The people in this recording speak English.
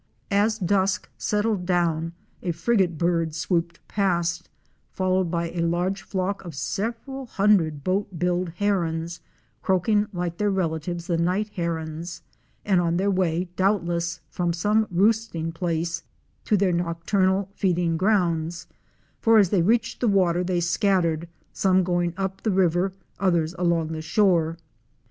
As dusk settled down a Frigate bird * swooped past, fol lowed by a large flock of several hundred Boat billed Herons " croaking like their relatives the Night Herons, and on their way doubtless from some roosting place to their nocturnal feeding grounds; for as they reached the water they scat tered, some going up the river, others along the shore.